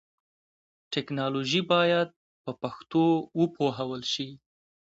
ټکنالوژي باید په پښتو وپوهول شي.